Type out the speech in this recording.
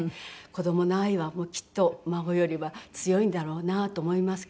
子供の愛はきっと孫よりは強いんだろうなと思いますけれども。